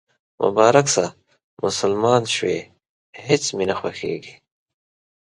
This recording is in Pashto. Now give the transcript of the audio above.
مبارک شه، مسلمان شوېهیڅ مې نه خوښیږي